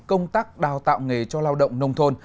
công tác đào tạo nghề cho lao động nông thôn